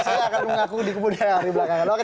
saya sih belum ngaku